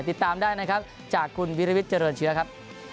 ติดตามได้นะครับจากคุณวิริวิทยเจริญเชื้อครับ